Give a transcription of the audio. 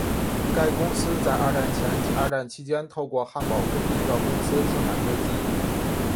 该公司在二战前及二战期间透过汉堡飞机制造公司生产飞机。